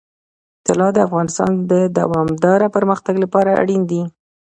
طلا د افغانستان د دوامداره پرمختګ لپاره اړین دي.